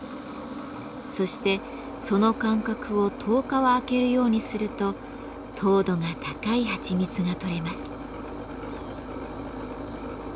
そしてその間隔を１０日は空けるようにすると糖度が高いはちみつが採れます。